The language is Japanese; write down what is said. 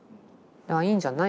「いいんじゃない？」